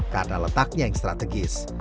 karena letaknya yang strategis